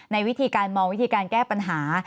ในวิธีการมองวิธีการแก้ปัญหา